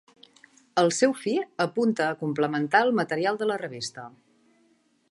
El seu fi apunta a complementar el material de la revista.